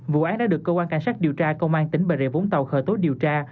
vụ án đã được cơ quan cảnh sát điều tra công an tỉnh bà rịa vũng tàu khởi tố điều tra